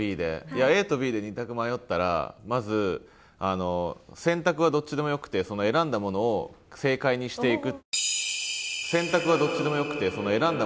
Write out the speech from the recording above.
ＡとＢで２択迷ったらまず選択はどっちでもよくてその選んだものを正解にしていく。